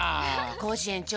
コージ園長